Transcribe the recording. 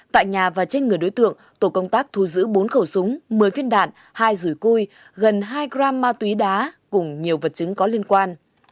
tại nhà và trên người đối tượng tổ công tác thu giữ bốn khẩu súng một mươi viên đạn hai rùi cui gần hai gram ma túy đá cùng nhiều vật chứng có liên quan